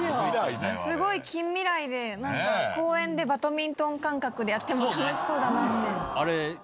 すごい近未来で、なんか、公園でバドミントン感覚でやっても楽しそうだなって。